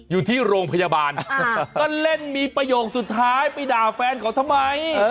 อยู่ที่โรงพยาบาลก็เล่นมีประโยคสุดท้ายไปด่าแฟนเขาทำไม